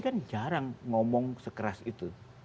kan jarang ngomong sekeras itu